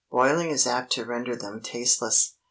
Boiling is apt to render them tasteless.